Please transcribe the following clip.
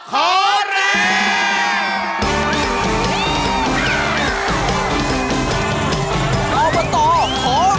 ขอแรง